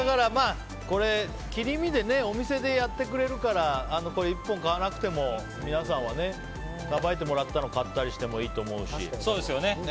切り身でお店でやってくれるから１本買わなくても皆さんは、さばいてもらったの買ったりしてもいいと思うし。